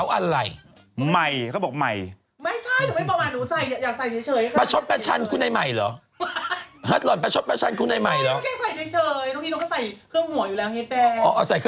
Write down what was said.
อะไรดวักก่อดวัก